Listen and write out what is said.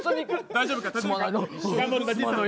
大丈夫か！？